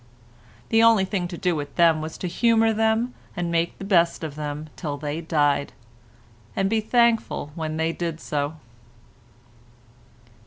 The only thing to do with them was to humour them and make the best of them till they died—and be thankful when they did so.